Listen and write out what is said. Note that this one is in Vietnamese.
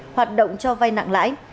hoạt động cho vay nặng lãi